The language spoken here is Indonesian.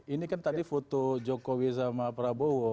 ini kan tadi foto jokowi sama prabowo